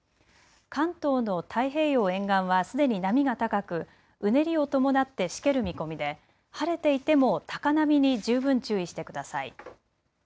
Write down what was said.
関東の太平洋沿岸はすでに波が高く、うねりを伴ってしける見込みで晴れていても高波に十分注意してください。